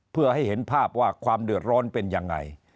เพื่อให้เห็นภาพว่าความเดือดร้อนเป็นยังไง